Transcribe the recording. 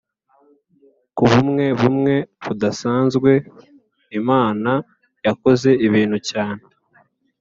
ku bumwe bumwe budasanzwe imana yakoze ibintu cyane